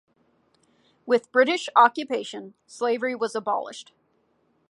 With British occupation, slavery was abolished.